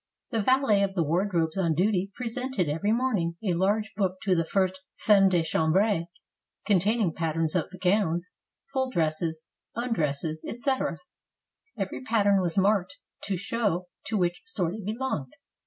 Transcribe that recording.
The valet of the wardrobes on duty presented every morning a large book to the first femme de chambre, containing patterns of the gowns, full dresses, undresses, etc. Every pattern was marked to show to which sort it belonged.